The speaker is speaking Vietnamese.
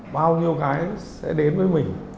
bao nhiêu cái sẽ đến với mình